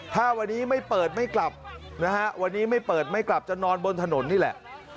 ถ้าวันนี้ไม่เปิดไม่กลับนะฮะวันนี้ไม่เปิดไม่กลับจะนอนบนถนนนี่แหละ